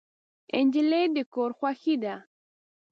نجلۍ د کور خوښي ده.